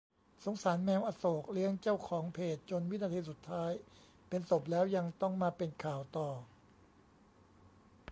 "สงสารแมวอโศก เลี้ยงเจ้าของเพจจนวินาทีสุดท้าย เป็นศพแล้วยังต้องมาเป็นข่าวต่อ"